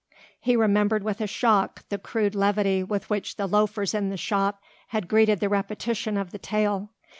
He remembered with a shock the crude levity with which the loafers in the shop had greeted the repetition of the tale.